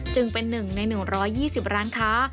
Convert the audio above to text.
จึงเป็น๑ใน๑๒๐ร้านค้า